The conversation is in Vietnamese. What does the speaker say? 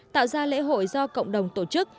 tạo ra lễ hội do cộng đồng tổ chức